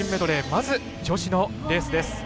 まず、女子のレースです。